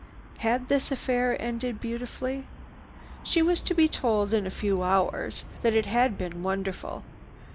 Had this affair ended beautifully? She was to be told in a few hours that it had been wonderful.